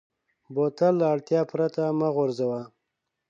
بوتل له اړتیا پرته مه غورځوه.